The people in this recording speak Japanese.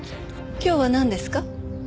今日はなんですか？